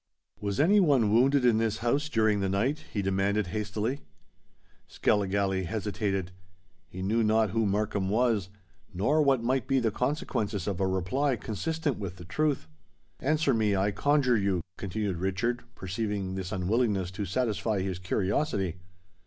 "Was any one wounded in this house during the night?" he demanded hastily. Skilligalee hesitated: he knew not who Markham was, nor what might be the consequences of a reply consistent with the truth. "Answer me, I conjure you," continued Richard, perceiving this unwillingness to satisfy his curiosity.